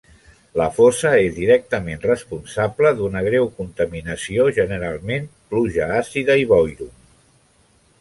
La fosa és directament responsable d'una greu contaminació, generalment, pluja àcida i boirum.